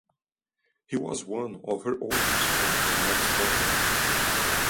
He was one of her owners on her next voyage.